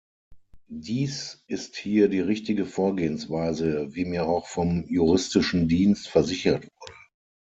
Dies ist hier die richtige Vorgehensweise, wie mir auch vom juristischen Dienst versichert wurde.